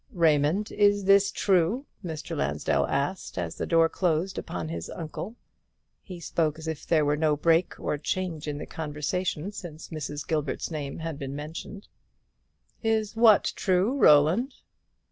"Raymond, is this true?" Mr. Lansdell asked, as the door closed upon his uncle. He spoke as if there had been no break or change in the conversation since Mrs. Gilbert's name had been mentioned. "Is what true, Roland?"